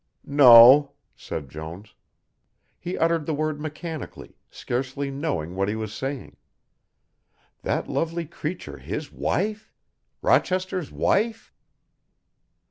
"No," said Jones. He uttered the word mechanically, scarcely knowing what he was saying. That lovely creature his wife! Rochester's wife!